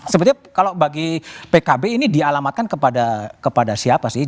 sebetulnya kalau bagi pkb ini dialamatkan kepada siapa sih